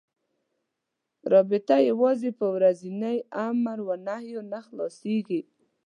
رابطه یوازې په ورځنيو امر و نهيو نه خلاصه کېږي.